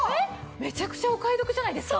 めちゃくちゃお買い得じゃないですか？